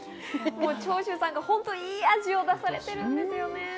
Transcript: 長州さんが本当いい味を出されてるんですよね。